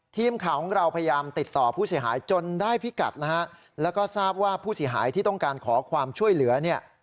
ทีมข่าวของเราพยายามติดต่อผู้เสียหายจนได้พิกัดนะฮะแล้วก็ทราบว่าผู้เสียหายที่ต้องการขอความช่วยเหลือเนี่ย